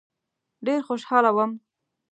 ډېر خوشاله وم.